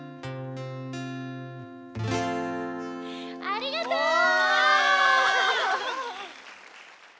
「」「」ありがとう！おお！